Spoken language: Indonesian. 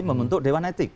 membentuk dewan etik